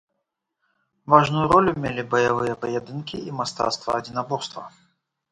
Важную ролю мелі баявыя паядынкі і мастацтва адзінаборства.